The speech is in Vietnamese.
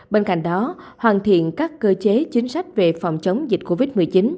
bên cạnh đó hoàn thiện các cơ chế chính sách về phòng chống dịch covid một mươi chín